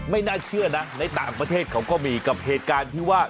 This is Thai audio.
ไม่น่าเชื่อนะในต่างประเทศเขาก็มีกับเหตุการณ์ที่ว่า